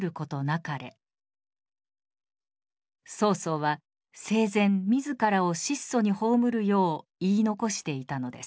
曹操は生前自らを質素に葬るよう言い残していたのです。